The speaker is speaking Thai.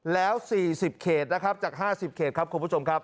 แล้ว๔๐เขตนะครับจาก๕๐เขตครับคุณผู้ชมครับ